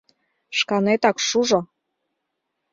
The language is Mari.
— Шканетак шужо!